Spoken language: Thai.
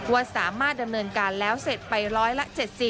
ว่าสามารถดำเนินการแล้วเสร็จไปร้อยละ๗๐